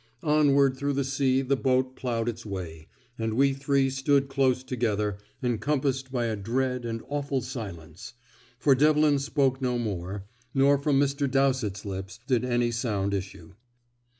Onward through the sea the boat ploughed its way, and we three stood close together, encompassed by a dread and awful silence; for Devlin spoke no more, nor from Mr. Dowsett's lips did any sound issue.